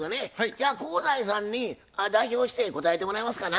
じゃあ香西さんに代表して答えてもらいますかな。